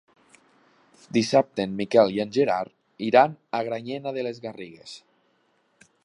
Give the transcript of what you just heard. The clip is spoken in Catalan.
Dissabte en Miquel i en Gerard iran a Granyena de les Garrigues.